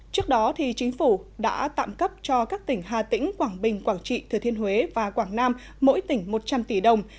trước đó chính phủ đã tạm cấp cho các tỉnh hà tĩnh quảng bình quảng trị thừa thiên huế và quảng nam mỗi tỉnh một trăm linh tỷ đồng